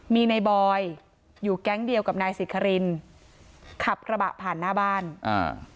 มีในบอยอยู่แก๊งเดียวกับนายสิครินขับกระบะผ่านหน้าบ้านอ่า